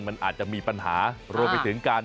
มันอาจจะมีปัญหารวมไปถึงการ